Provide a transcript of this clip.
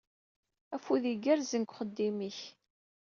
Afud igerrzen deg uxeddim-ik!